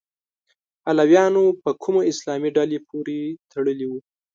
علویانو په کومه اسلامي ډلې پورې تړلي وو؟